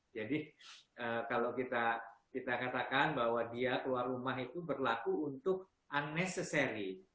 jadi kalau kita katakan bahwa dia keluar rumah itu berlaku untuk unnecessary